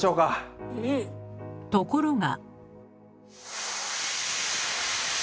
ところが。